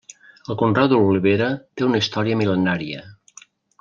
El conreu de l'olivera té una història mil·lenària.